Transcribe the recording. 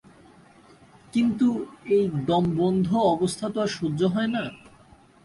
কিন্তু এই দমবন্ধ অবস্থা তো আর সহ্য হয় না।